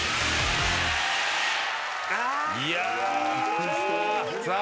いやさあ